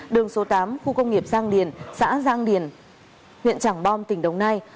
đường số tám khu công nghiệp giang điền xã giang điền huyện trảng bom tỉnh đồng nai